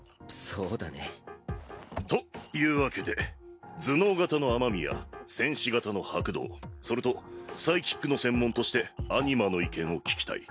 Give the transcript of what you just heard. そうだね。というわけで頭脳型の雨宮戦士型の白道それとサイキックの専門としてアニマの意見を聞きたい。